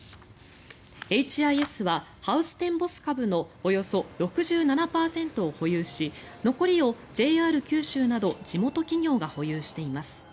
Ｈ．Ｉ．Ｓ．はハウステンボス株のおよそ６７％を保有し残りをＪＲ九州など地元企業が保有しています。